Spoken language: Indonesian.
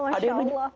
ya masya allah